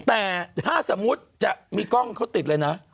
แต่ถ้าสมมุติจะมีกล้องเขาติดเลยนะ